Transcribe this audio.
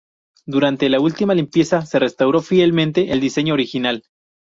Durante la última limpieza se restauró fielmente el diseño original.